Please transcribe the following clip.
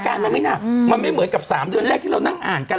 มันไม่หนักมันไม่เหมือนกับ๓เดือนแรกที่เรานั่งอ่านกัน